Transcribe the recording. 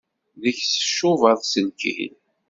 Deg-s tcubaḍ s lkil.